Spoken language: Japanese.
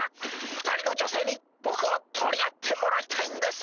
２人の女性にボクを取り合ってもらいたいんです！